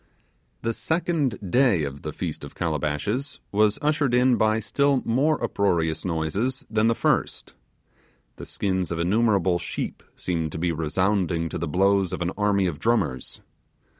The second day of the Feast of Calabashes was ushered in by still more uproarious noises than the first. The skins of innumerable sheep seemed to be resounding to the blows of an army of drummers.